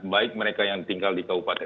baik mereka yang tinggal di kabupaten